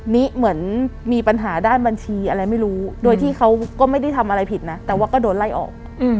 นิเหมือนมีปัญหาด้านบัญชีอะไรไม่รู้โดยที่เขาก็ไม่ได้ทำอะไรผิดนะแต่ว่าก็โดนไล่ออก